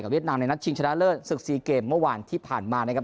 เวียดนามในนัดชิงชนะเลิศศึก๔เกมเมื่อวานที่ผ่านมานะครับ